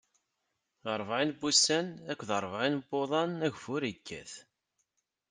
Ṛebɛin n wussan akked ṛebɛin n wuḍan, ageffur ikkat.